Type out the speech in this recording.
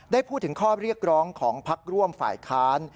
ได้พูดถึงข้อเรียกร้องของพักร่วมฝ่ายค้าน